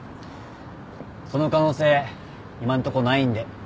その可能性今んとこないんで。